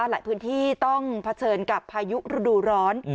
หลายพื้นที่ต้องเผชิญกับพายุฤดูร้อน